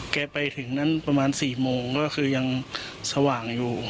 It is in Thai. ไปถึงนั้นประมาณ๔โมงก็คือยังสว่างอยู่